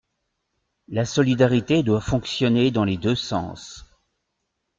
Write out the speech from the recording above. La solidarité doit fonctionner dans les deux sens.